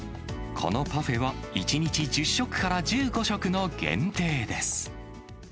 このパフェは、１日１０食から１５食の限定です。